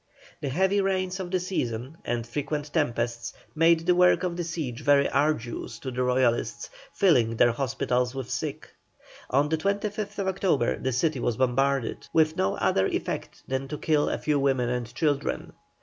The heavy rains of the season and frequent tempests made the work of the siege very arduous to the Royalists, filling their hospitals with sick. On the 25th October the city was bombarded, with no other effect than to kill a few women and children.